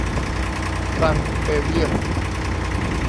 ฟรังก์เบลเยียม